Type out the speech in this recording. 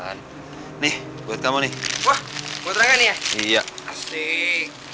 hai ya ngerti hai menentang gausah nungguin karya kedalam cepetan